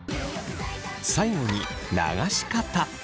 最後に流し方。